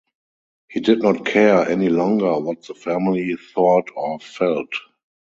He did not care any longer what the family thought or felt.